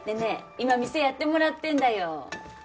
今店やってもらってんだよ